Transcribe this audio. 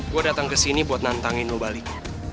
gue datang ke sini buat nantangin lo balik